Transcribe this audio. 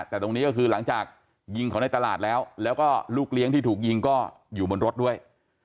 แต่ตรงนี้ก็คือหลังจากยิงเขาในตลาดแล้วแล้วก็ลูกเลี้ยงที่ถูกยิงก็อยู่บนรถด้วย